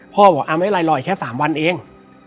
บอกไม่เป็นไรรออีกแค่๓วันเอง